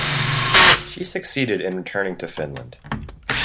She succeeded in returning to Finland.